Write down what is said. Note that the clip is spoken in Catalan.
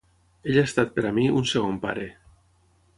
Ell ha estat per a mi un segon pare.